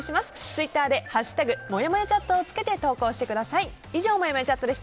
ツイッターで「＃もやもやチャット」をつけて投稿してください。